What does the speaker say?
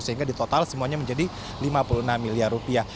sehingga di total semuanya menjadi lima puluh enam miliar rupiah